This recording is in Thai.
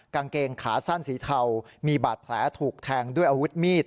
กางเกงขาสั้นสีเทามีบาดแผลถูกแทงด้วยอาวุธมีด